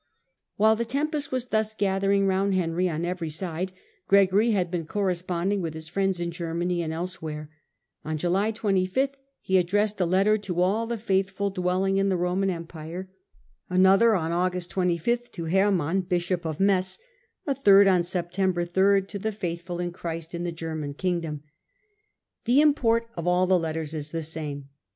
—^ While the tempest was thus gathering round Henry on every side, Gregory had been corresponding with his friends in Germany and elsewhere. On July 25 he addressed a letter to all the faithful dwelling in the Roman Empire; another, on Aigust 25, to Herman, bishop of Metz; a thii d, on ^September 3, to tlie Digitized by VjOOQIC HeNHY IV. UNDER THE BaN 123 * faithful in Christ in the German kingdom/ The import of all the letters is the same.